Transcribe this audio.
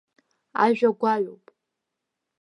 Ажәагәаҩоуп!